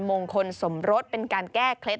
มงคลสมรสเป็นการแก้เคล็ด